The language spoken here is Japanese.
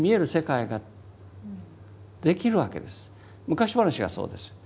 昔話がそうです。